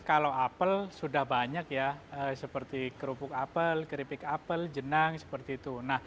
kalau apple sudah banyak seperti kerupuk apple keripik apple jenang seperti itu